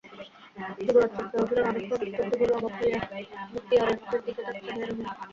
যুবরাজ চমকিয়া উঠিলেন, অনেকক্ষণ স্তব্ধভাবে অবাক হইয়া মুক্তিয়ারের মুখের দিকে চাহিয়া রহিলেন।